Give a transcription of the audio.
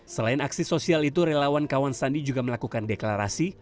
selain aksi sosial itu relawan kawan sandi juga melakukan deklarasi